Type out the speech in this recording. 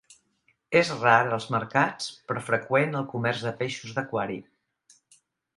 És rar als mercats però freqüent al comerç de peixos d'aquari.